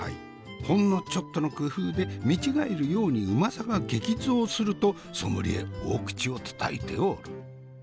ほんのちょっとの工夫で見違えるようにうまさが激増するとソムリエ大口をたたいておる。